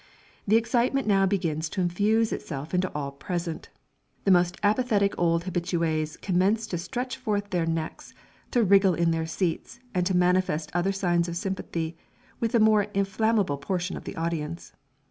The excitement now begins to infuse itself into all present; the most apathetic old habitués commence to stretch forth their necks, to wriggle on their seats, and manifest other signs of sympathy, with the more inflammable portion of the audience.